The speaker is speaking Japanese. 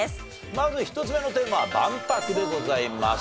まず１つ目のテーマは万博でございます。